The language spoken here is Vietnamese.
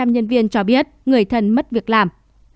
bảy mươi hai nhân viên cho biết người thân mất việc làm